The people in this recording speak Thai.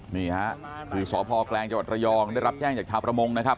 นี่ฮะคือสพกจรยได้รับแท่งจากชาวประมงนะครับ